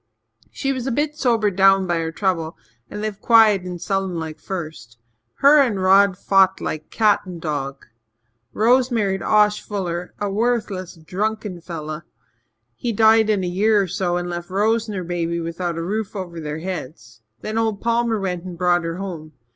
She was a bit sobered down by her trouble and lived quiet and sullen like at first. Her and Rod fought like cat and dog. Rose married Osh Fuller, a worthless, drunken fellow. He died in a year or so and left Rose and her baby without a roof over their heads. Then old Palmer went and brought her home.